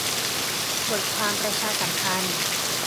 - บทความประชาสัมพันธ์